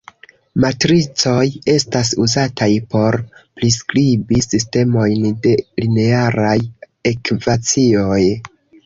Matricoj estas uzataj por priskribi sistemojn de linearaj ekvacioj.